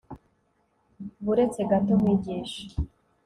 ba uretse gato, nkwigishe